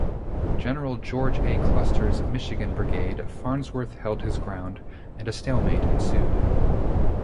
General George A. Custer's Michigan Brigade, Farnsworth held his ground, and a stalemate ensued.